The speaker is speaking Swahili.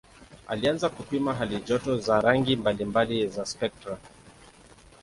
Alianza kupima halijoto za rangi mbalimbali za spektra.